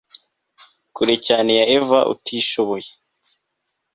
kure cyane ya eva utishoboye